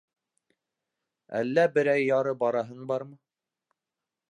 Әллә берәй-яры бараһың бармы?